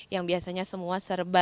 yang biasanya semua serba